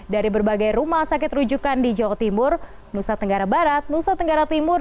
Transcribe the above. dari berbagai rumah sakit rujukan di jawa timur nusa tenggara barat nusa tenggara timur